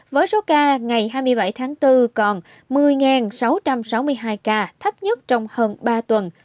với số ca ngày hai mươi bảy tháng bốn còn một mươi sáu trăm sáu mươi hai ca thấp nhất trong hơn ba tuần